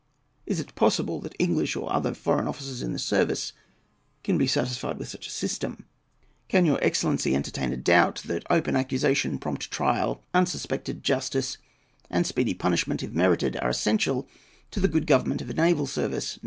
Is it possible that English, or other foreign officers in the service, can be satisfied with such a system? Can your excellency entertain a doubt, that open accusation, prompt trial, unsuspected justice, and speedy punishment, if merited, are essential to the good government of a naval service?